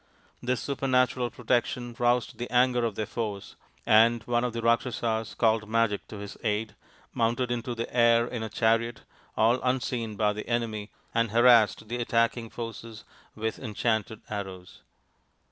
This supernatural protection roused the anger of their foes, and one of 42 THE INDIAN STORY BOOK the Rakshasas called magic to his aid, mounted into the air in a chariot all unseen by the enemy, and harassed the attacking forces with enchanted arrows.